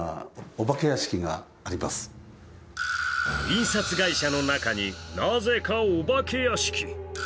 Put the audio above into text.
印刷会社の中に、なぜかお化け屋敷。